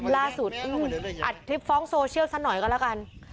ล่าสุดอ่ะอัดทริปฟ้องโซเชียลสักหน่อยก็แล้วกัน